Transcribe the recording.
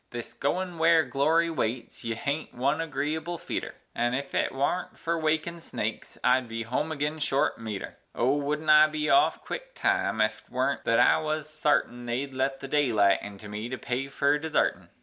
This goin' ware glory waits ye haint one agreeable feetur, And ef it worn't fer wakin' snakes, I'd home agin short meter; O, wouldn't I be off, quick time, ef't worn't thet I wuz sartin They'd let the daylight into me to pay me fer desartin!